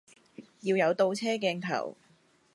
要有倒車鏡頭